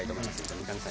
三上さん